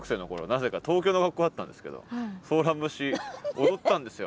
なぜか東京の学校だったんですけど「ソーラン節」踊ったんですよ。